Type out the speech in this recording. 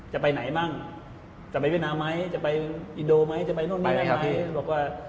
จะไปไหนบ้างจะไปเวียดนามั้ยจะไปอินโดมั้ยจะไปนู่นนี่นั่นมั้ย